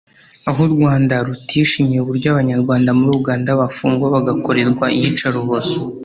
aho u Rwanda rutishimiye uburyo abanyarwanda muri Uganda bafungwa bagakorerwa iyica rubozo